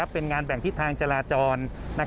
เป็นงานแบ่งทิศทางจราจร